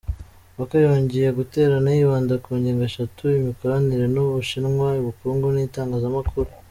Paka yongeye guterana yibanda ku ngingo eshatu; imikoranire n’u Bushinwa, ubukungu n’itangazamakuru